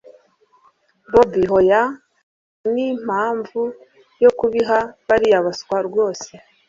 bobi hoya ntanimpamvu yo kubiha bariya baswa rwose